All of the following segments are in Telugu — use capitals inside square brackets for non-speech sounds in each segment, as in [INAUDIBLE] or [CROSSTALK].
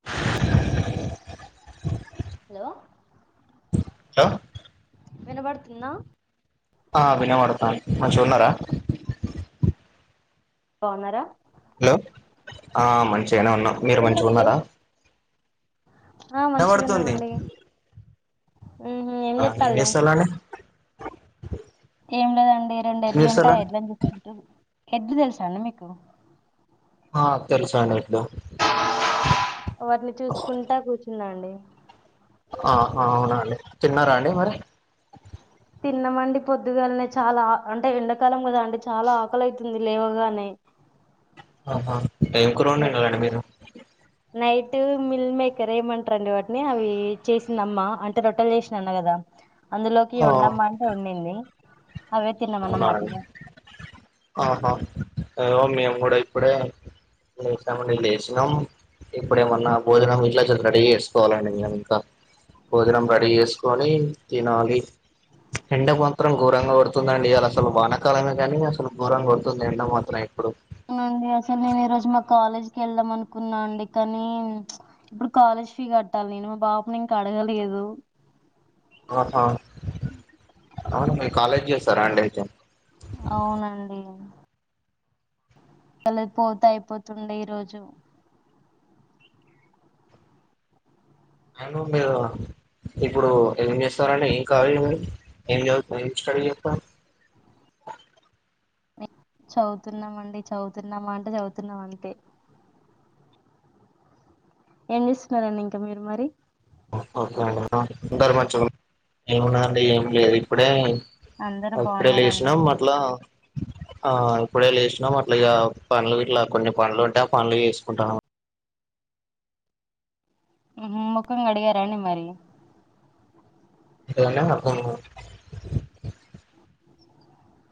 [UNINTELLIGIBLE] అలో హలో వినబడుతుందా ఆ వినబడతాంది మంచిగ ఉన్నరా బావున్నారా హలో ఆ మంచిగానే ఉన్నాం మీరు మంచిగ వినబడట్లే ఉన్నారా ఆ మంచిగా ఉన్నామ్ వినబడుతుంది అండి హమ్ ఏం ఆ చేస్తాండు. చేస్తాలండి ఏం లేదండి రెండు ఏం ఎడ్లు ఉంటాయి ఆ చేస్తాలండి ఎడ్లని చూసుకుంటు ఎడ్లు తెలుసా అండి మీకు. ఆ తెలుసండి ఇపుడు వాటిని చూసుకుంటా కూర్చున్నండి ఆహా అవునండి తిన్నారా అండి మరి తిన్నమండి పొద్దుగాల్నే చాలా అంటే ఎండాకాలం గదా అండి చాలా ఆకలయితుంది లేవగానే ఆహా ఏం కూర వండిన్రండి మీరు నైట్ మిల్ మేకర్ ఏమంటరండి వాటిని అవి చేసిందమ్మా అంటే రొట్టేల్ చేసిన అన్న కదా అందులోకి ఆ వండమ్మా అంటే వండింది అవే అవునా తిన్నామన్నమాట ఇగ అండి ఆహా ఇగో మేము గూడ ఇప్పుడే ఇంతముందే లేసినం ఇప్పుడేమన్నా భోజనం ఇంట్ల చె రెడి చేేసుకోవాలండి మేము ఇంకా భోజనం రడీ చేసుకొని తినాలి, ఎండ మాత్రం ఘోరంగ గోడుత్ తుంధండి ఇయ్యాల అసలు వానకాలమే గనీ అసలు ఘోరంగా కొడుతుంది ఎండ మాత్రం ఇప్పుడు అవునండి అసలు నేను ఈ రోజు మా కాలేజ్కి వెళ్దాం అనుకున్నా అండి కనీ ఇప్పుడు కాలేజ్ ఫీ గట్టాలి నేను బాపుని ఇంకా అడగలేదు ఆహా అవును మీరు కాలేజ్ జేస్తరా అండి అయితే అవును అండి ఎల్లిపోతే అయిపోతుంది ఈరోజు కన్ను మీదనా ఇప్పుడు ఏం జేస్తారండి ఏం కాలేజ్ మీది? ఏం చదువ్ ఏం స్టడీ చేస్తన్రు ఏ చదువుతున్నమండి చదువుతున్నామా అంటే చదువుతున్నాం అంతే ఏం జేస్తున్నరండి ఇంకా మీరు మరి ఓకే అండి అందరు మంచిగున్నర ఏం ఉన్నదండి ఏమి లేదు ఇప్పుడే అందరు అప్పుడే బాగున్నారండి లేసినం అట్లా ఆ ఇప్పుడే లేసినాం అట్ల ఇగ పనులు గిట్లా కొన్ని పనులు ఉంటే ఆ పనులు చేసుకుంటా ఉన్నాం ఉమ్ హ్ మొఖం కడిగారా అండి మరి కడిగిన ఫోను మాట్లాడ్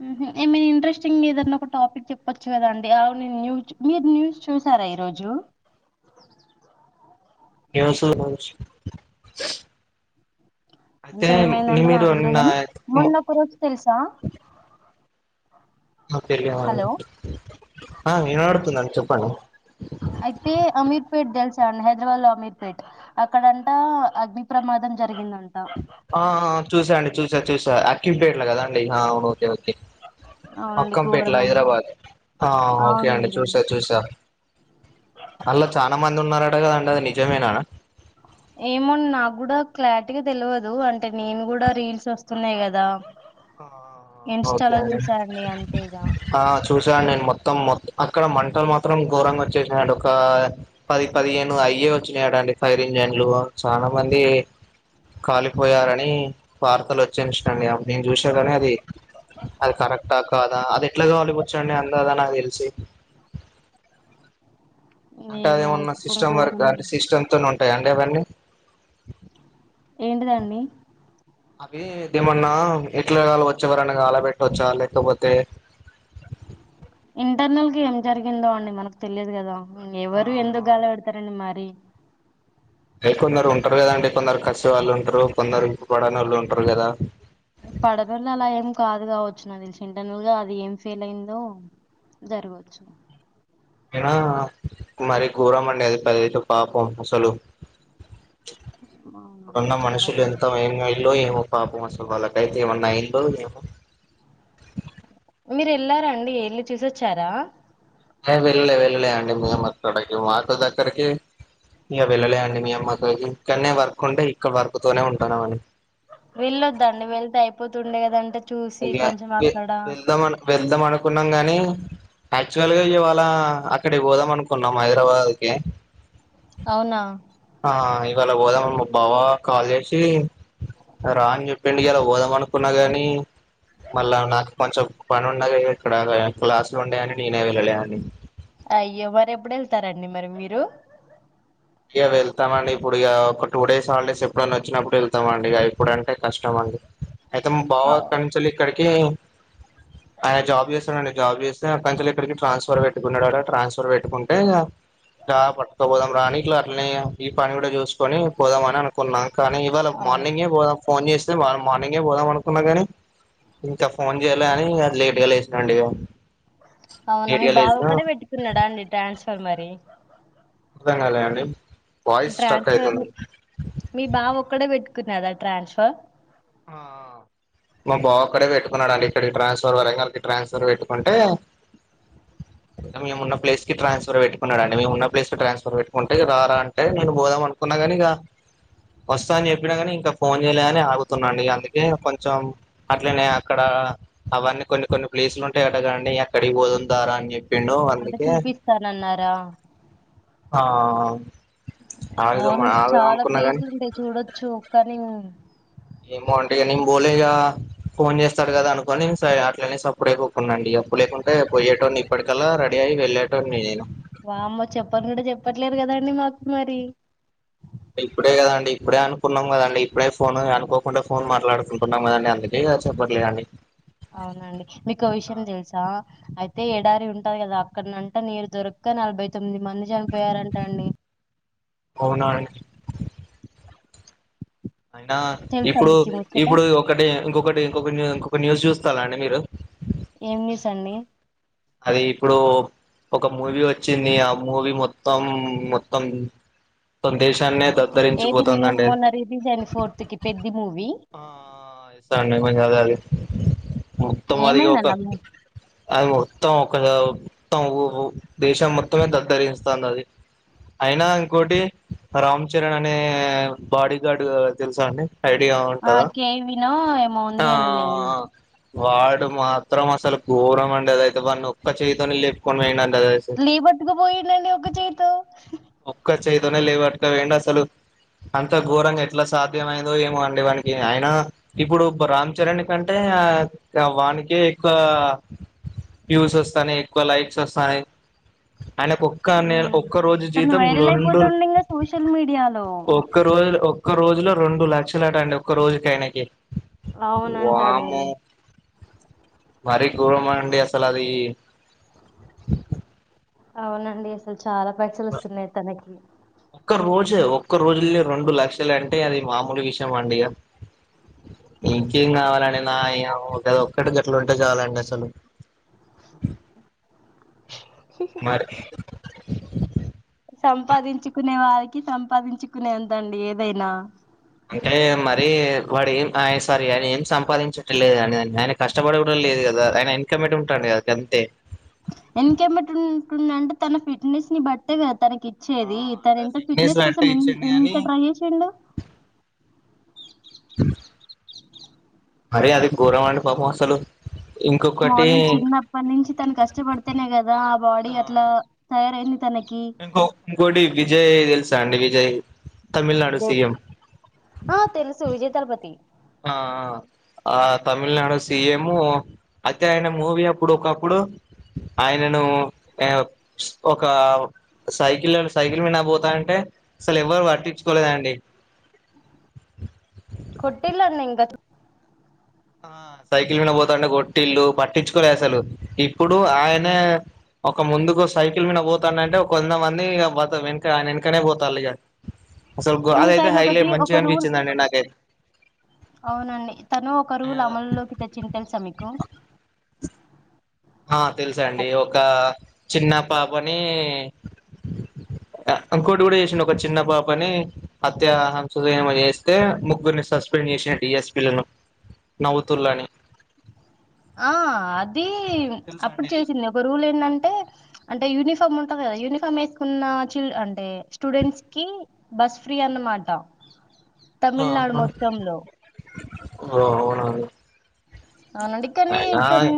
ఉమ్ హ్ ఏమైనా ఇంట్రెస్టింగ్ ఏదన్న ఒక టాపిక్ చెప్పచ్చు కదా అండి అవును మీ న్యూస్ మీరు న్యూస్ చూసారా ఈరోజు ఏమో చూడ్లే న్యూస్ అయితే అంటే నిమి మీరు నిన్న కరోజు తెలుసా నక్ తెలియ వండి హలో ఆ వినపడ్తుంది అండి చెప్పండి అయితే అమీర్ పేట్ దెల్సా అండి హైదరాబాద్ లో అమీర్ పేట్ అక్కడంటా అగ్ని ప్రమాదం జరిగిందంట ఆ ఆ చూసా అండి చూసా చూసా అక్కిం పేట్లా కదండి ఓకే ఓకే అవునండి అక్కంపేట్ల ఘోరం అండి హైదరాబాద్ ఆ హా ఓకే అండి అవునండి చూసా చూసా అల్ల చానా మంది ఉన్నరట కదండి అది నిజమేనా ఏమో న్నాగ్గుడా క్లారిటీగా తెల్వదు అంటే నేను కూడా రీల్స్ వస్తున్నాయ్ గదా ఆ ఇన్స్టాలో చూసా అండి అంతే ఇగా ఆ చూసాండి నేను మొత్తం మొ అక్కడ మంటలు మాత్రం ఘోరంగా వచ్చేసినయండి ఒకా పది పదిహేను అయ్యే వచ్చినయటాన్డి ఫైర్ ఇంజన్ లు చానా మంది కాలిపోయారని వార్తలొచ్చేద్ చూస్న అండి నేను చూస్న గని అది అది కరెక్టా కాదా అది ఎట్ల కాలిపోవచ్చండి అందదా నాకు తెలిసి అంటే ఏమో అండి అదేమన్నా పాపం సిస్టం వర్క్ ఘోరం ఆ అంటే అండి సిస్టమ్ తోనే ఉంటయ అండి అవ్వన్నీ ఏంటిదండి అవి దేమన్నా ఎట్లాగాళవచ్ ఎవరనా కాల పెట్టొచ్చా లేకపోతే ఇంటర్నల్ గ ఏం జరిగిందో అండి మనకు తెలియదు కదా ఎవరు ఆహా ఎందుకు గాల తరణ మరి ఎ కొందరు ఉంటారు కదండి కొందరు కసి వాళ్ళు ఉంటారు కొందరు ఇం పడనోళ్ళు ఉంటారు కదా పడనోలు అలా ఏం కాదు కావచ్చు నా తెలిసి ఇంటనలుగా అది ఏం ఫెయిల్ అయిందో జరగొచ్చు అ మరి గోరం అండి అది పదయ్ తె పాపం అసలు అక్కడ అవునండి ఉన్న చాలా మనుషులు ఘోరం ఎంత ఏం గాలిలో ఎమో పాపం అసలు వాళ్లకు ఐతే అసలు ఏమైనా అయిందో ఏమో మీరు వెళ్లారండి వెళ్ళి చూసచరా ఏ వెళ్ళలే వెళ్ళలే అండి మేము అక్కడకి మాకు దగ్గరకి ఇక వెళ్ళలే అండి మీ అమ్మ ఇకనే వర్క్ ఉంటే ఇక్కడ వర్క్ తనే ఉంటున్నాం అండి వెళ్ళొద్దండి వెళ్తే అయిపోతుండే కదంట చూసి ఇగ కొంచెం వె అక్కడ వెళ్దాం అను వెళ్దాం అనుకున్నాం గాని యాక్చువల్ గా ఇవాళ అక్కడికి పోదాం అనుకున్నాం హైదరాబాద్ కి అవునా ఆ ఇవాళ ఓదామ బావ కాల్ చేసి రా అని చెప్పిండి ఇలా పోదాం అనుకున్నా గాని మళ్ళా నాకు కొంచెం పని ఉండగా ఇక్కడ క్లాసులు ఉండయని నేనే వెళ్ళలే అని అయ్య మరి ఎప్పుడు వెళ్తారండి మరి మీరు ఇక వెళ్తామండి ఇప్పుడు ఇక ఒక టూ డేస్ హాలిడేస్ ఎప్పుడనా వచ్చినప్పుడు వెళ్తామండి ఇగ ఇప్పుడుంటే కష్టం అండి అయితే మా బావా అవు అక్కానుంచేలి ఇక్కడికి ఆయన జాబ్ చేస్తండి జాబ్ చేస్తే అక్కడ్నుంచి ఇక్కడికి ట్రాన్స్ఫర్ పెట్టుకున్నాడట ట్రాన్స్ఫర్ పెట్టుకుంటే గా పట్టుకోపోదాం ర అని ఇట్లనే ఈ పని కూడా చూసుకొని పోదామ అని అను కున్నాం కానీ ఇవాళ అవును మార్నింగే పోదాం ఫోన్ చేస్తే మార్నింగే పోదాం అనుకున్నా కాని ఇంకా ఫోన్ చేయలే అని ఇగ లేట్ గా లేసిన అండీ ఇగ అవునా మీ బావ ఒక్కడే పెట్టుకున్నాడా అండి ట్రాన్స్ఫర్ మరీ అర్ధం కాలే అండి వాయిస్ స్ట్రక్ ట్రాన్స్ఫర్ మీ అవుతుందండి మీ బావ ఒక్కడే పెట్టుకున్నడ ట్రాన్స్ఫర్ ఆ మా బావ ఒక్కడే పెట్టుకున్నాడండి ఇక్కడికి ట్రాన్స్ఫర్ వరంగల్కి ట్రాన్స్ఫర్ పెట్టుకుంటే మేము ఉన్న ప్లేస్ కి ట్రాన్స్ఫర్ పెట్టుకున్నాడంది మేము ఉన్న ప్లేస్ కి ట్రాన్స్ఫర్ పెట్టుకుంటే రారా అంటే నేను పోదాం అనుకున్న న్నా కాని ఇక వస్తా అని చెప్పిన కాని ఇంకా ఫోన్ చేయలే అని ఆగు తునండి అందుకే కొంచెం అట్లనే అక్కడ అవన్నీ కొన్ని కొన్ని ప్లేసులు ఉంటాయి అట కదా అండి అక్కడి పోదాం రారా అని చెప్పి అంత చూపిస్తాననరా ఆ ఆగుదాం అవునండి ఆగుదాం చాలా అనుకున్నా గాని ప్లేసులు ఉంటాయి చూడొచ్చు కానీ ఏమో అండి నేన్ బోలేగా ఫోన్ చేస్తాడు కదా అనుకోని నేను స అట్లనె సప్పుడేక ఉకున్న అండి అప్పు లేకుంటే పోయేటో నీ ఇప్పటికల్లా రెడీ అయి వెళ్ళేటోనీ నేను వామ్మో చెప్పనుకుడ చెప్పట్లేదు కదండి మాకు మరి ఇప్పుడే కదండి ఇప్పుడే అనుకున్నాం కదండి ఇప్పుడే ఫోన్ అనుకోకుండా ఫోన్ మాట్లాడుకుంటున్నాం కదండి అందుకే ఇగా చెప్పట్లే అండి అవునండి మీకో విషయం తెలుసా అయితే ఎడారి ఉంటది కదా అక్కడనంట నీరు దొరక్క నలభై తొమ్మిది మంది చనిపోయారంట అండి అవునా అయినా తెలుసా ఇప్పుడు మీకీ ముచ్చట? ఇప్పుడు ఒకటి ఇంకొకటి ఇంకొకటి ఇంకొక న్యూస్ చూస్తారా అండి మీరు ఏం న్యూస్ అండి అది ఇప్పుడు ఒక మూవీ వచ్చింది ఆ మూవీ మొత్తం మొత్తం మొత్తం దేశాన్నే దద్దరించిపోతుందండి [UNINTELLIGIBLE] కి పెద్ది మూవీ ఆ ఇస్తా అండి మీము అదే అదే మొత్తం అది ఒక ఏమైందండి ఆ మూ అది మొత్తం ఒక మొత్తం దేశం మొత్తమే దద్దరిస్తాంది అది అయినా ఇంకోటి రామ్ చరణ్ అనే బాడీ గార్డ్ తెలుసా అండి ఐడియా ఆ ఉంటదా కేవినో ఏమో ఉంది అండి నేమ్ ఆ వాడు మాత్రం అసలు ఘోరం అండి అదైతే వాన్ని ఒక్క చేయితోనే లేపుకొని పోయిండంట తెల్సా ఏం పట్టుకుపోయిందండి ఒక చేతో ఒక్క చేయితోనే లేవాట్కపోయిండు అసలు అంత ఘోరంగా ఎట్లా సాధ్యమైందో ఏమో అండి వానికి అయినా ఇప్పుడు రామ్ చరణ్ కంటే వానీకె ఎక్కువ ప్యూస్ వస్తున్నాయి ఎక్కువ లైక్స్ వస్తాన్నాయి ఆయనకు ఒక్కనే హ్మ్. ఒక్క రోజు తను జీతం వైరల్ రెండు అయిపోతుండు ఇంగా సోషల్ మీడియాలో ఒక్క రోజు ఒక్క రోజులో రెండు లక్షలట అండి ఒక్క రోజుకి ఆయనకి అవునంట అండి. వామ్మో [INAUDIBLE] మరి ఘోరమా అండి అసలు అది అవునండి అసలు చాలా పైసలు వస్తున్నాయి తనకి ఒక్క రోజు ఒక్క రోజులని రెండు లక్షలు అంటే అది మామూలు విషయం అండి ఇగా ఇంకేం కావాలండి నా ఏ ఒక ఒక్కటి గట్లు ఉంటే చాలు అండీ అసలు [UNINTELLIGIBLE] మరి [UNINTELLIGIBLE] సంపాదించుకునే వారికి సంపాదించుకునేంతండి ఏదైనా అంటే మరి వాడు ఏం ఆ సారీ ఆయన ఏం సంపాదించట్లేదు అని ఆయన కష్టపడేది కూడా లేదు కదా ఆయన వెనకమ్మంటే ఉంటాడు కదా అంతే వెనక్కమ్మటుంటుమ్డంటే తన ఫిట్నెస్ ని బట్టే కదా తనకి ఆ వచ్చేది తన ఎంత ఫిట్నెస్ అట్టే కోసం ఇచ్చిండు ఎంత గాని ట్రై చేసిండు మరే అది ఘోరం అండి పాపం అసలు ఇంకొకటి మార్నింగ్ తిన్న ఎప్పటి నుంచి తను కష్టపడితేనే కదా ఆ బాడీ అట్లా తయారయింది తనకి ఇంకో ఇంకోటి విజయ్ తెలుసా అండి విజయ్ తమిళనాడు దేవ్ సీఎం ఆ తెలుసు విజయతలపతి ఆ ఆ ఆ తమిళనాడు సీఎం అయితే ఆయన మూవీ అప్పుడు ఒకప్పుడు ఆయనను ఏ స్ ఒక సైకిల్ సైకిల్ మీనా పోతాంటే అసలు ఎవ్వరు పట్టించుకోలేదండి కొట్టిళ్లు [UNINTELLIGIBLE] ఇంకా ఆ సైకిల్ మీన పోతాంటె కొట్టిల్లు పట్టించుకోలే అసలు ఇప్పుడు ఆయనే ఒక ముందుకు సైకిల్ మీద పోతాండంటే కొంద మంది వెనక ఆయన వెనకనే పోతాళ్లిగ అసలు అదైతే ఇంకాయన ఒకటి హైలెట్ ఒక మంచిగా రూల్ అనిపించిందండి నాకైతే అవునండి తను ఒక రూల్ అమలులోకి తెచ్చింది తెలుసా మీకు ఆ తెలుసండి ఒక చిన్న పాపని ఇంకోటి కూడా చేసిండు ఒక చిన్న పాపని హత్యాహంసని ఏమో చేస్ అయితే ముగ్గురిని సస్పెండ్ చేసిండు డిఎస్పిలను నవ్వుతుల్లని ఆ అది తెలుసా అప్పుడు అండి ఇది చేసిందే ఒక రూల్ ఏంటంటే అంటే యూనిఫామ్ ఉంటది కదా యూనిఫామ్ వేసుకున్న చిల్ అంటే స్టూడెంట్స్కి బస్ ఫ్రీ అన్నమాటా ఆహా ఓ అవున అండి అవునండి కానీ అయినా కొన్ని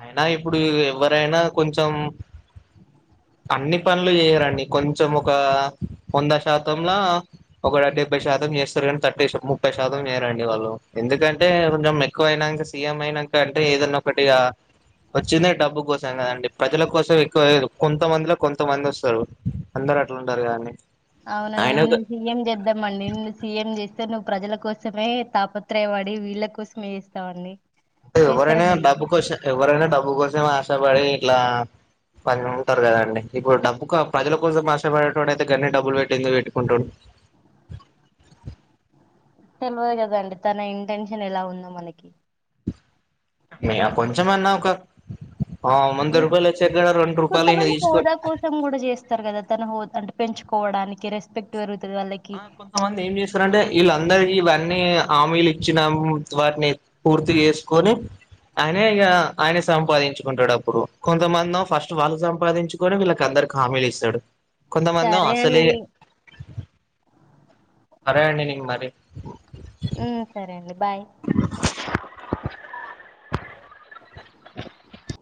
అయినా ఇప్పుడు ఎవ్వరైనా కొంచెం అన్ని పనులు చేయరండి కొంచెం ఒక వంద శాతంలా ఒక డెబ్బై శాతం చేస్తారు కానీ థర్టీ ముప్పై శాతం చేయరండి వాళ్ళు ఎందుకంటే కొంచెం ఎక్కువ అయ్యినంక అంతే సీఎం అయినా అంటే ఏదన్న ఒకటిగా వచ్చిందే డబ్బు కోసం కదండి ప్రజల కోసం ఎక్కువ కొంతమందిలో కొంతమంది వస్తారు అందరు అట్లుండరు కదండి అవున ఆయన నీన్ ఏం చేద్దామండి నిన్ను సీఎం చేస్తే నువ్వు ప్రజల కోసమే తాపత్రయ పడి వీళ్ళ కోసమేసి తవండి ఎవరైనా డబ్బు కోసం ఎవరైనా డబ్బు కోసమే ఆశపడి ఇట్లా పని ఉంటరు కదండి ఇప్పుడు డబ్బు ప్రజల కోసం కష్టపడేటోడు అయితే గనీ డబ్బులు పెట్టి ఎందుకు పెట్టుకుంటడు తెలియదు కదండీ తన ఇంటెన్షన్ ఎలా ఉందో మనకి మీ ఆ కొంచమన్నా ఒక ఆ వంద ఉ- రూపాయలు వచ్చేకాడ రెండు రూపాయలు ఈయన తీసుకొనీ త్తం కూడా చేస్తారు కదా తను అంటే పెంచుకోవడానికి రెస్పెక్ట్ పెరుగుతది వాళ్ళకి ఆ కొంతమంది ఏం చేస్తారంటే వీళ్ళందరికీ ఇవన్నీ హమీలు ఇచ్చినాము వాటిని పూర్తి చేసుకొని ఆయనే ఇగ ఆయన సంపాదించుకుంటడప్పుడు కొంతమందొ ఫస్ట్ వాళ్ళు సంపాదించు కొనీ వీళ్ళకి అందరికి హామీలు ఇస్తాడు కొంతమందేమో సరే అసలే అండి అరే అండి నీకు మరి ఊ సరే అండి బాయ్ [INAUDIBLE]